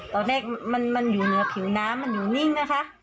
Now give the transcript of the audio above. ตอนแรกมันอยู่เหนือผิวน้ำมันอยู่นิ่งนะคะ